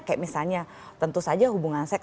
kayak misalnya tentu saja hubungan seks